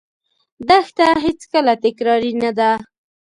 دښته هېڅکله تکراري نه ده.